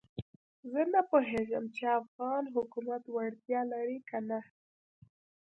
زه نه پوهېږم چې افغان حکومت وړتیا لري کنه.